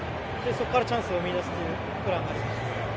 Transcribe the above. そこからチャンスを生み出すというプランでした。